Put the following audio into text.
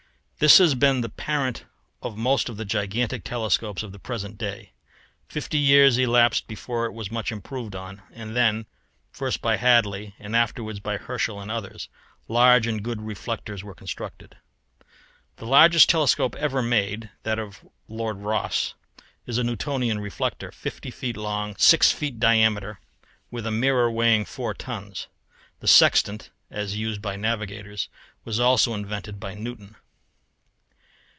This has been the parent of most of the gigantic telescopes of the present day. Fifty years elapsed before it was much improved on, and then, first by Hadley and afterwards by Herschel and others, large and good reflectors were constructed. The largest telescope ever made, that of Lord Rosse, is a Newtonian reflector, fifty feet long, six feet diameter, with a mirror weighing four tons. The sextant, as used by navigators, was also invented by Newton.